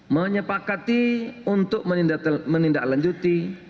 menyepakati untuk menindaklanjuti